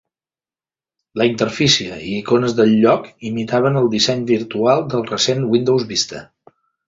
La interfície i icones del lloc imitaven el disseny visual del recent Windows Vista.